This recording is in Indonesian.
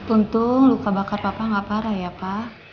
untung luka bakar papa gak parah ya pa